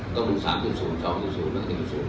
ต้องดู๓๐๒๐และ๑๐